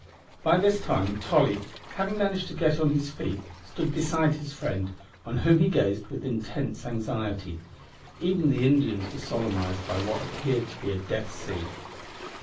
By this time Tolly, having managed to get on his feet stood beside his friend, on whom he gazed with intense anxiety. Even the Indians were solemnised by what appeared to be a death scene.